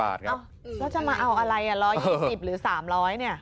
แล้วจะมาเอาอะไร๑๒๐หรือ๓๐๐เนี่ย